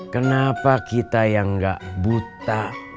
kenapa kita yang gak buta